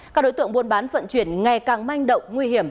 các đối tượng buôn bán vận chuyển ngày càng manh động nguy hiểm